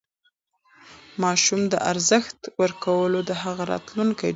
ماشوم ته ارزښت ورکول د هغه راتلونکی جوړوي.